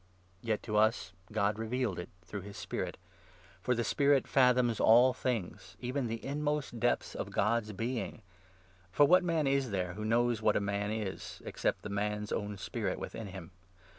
Yet to us God revealed it through his Spirit ; for the Spirit 10 fathoms all things, even the inmost depths of God's being. For what man is there who knows what a man is, except n the man's own spirit within him